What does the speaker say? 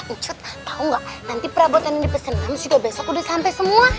ucu tau gak nanti perabotannya dipesen mams juga besok udah sampe semua